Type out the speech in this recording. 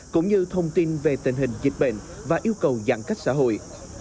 cũng như thông tin về tình hình dịch bệnh và yêu cầu giãn cách xã hội